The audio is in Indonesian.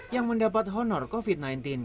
yang mendapat honor covid sembilan belas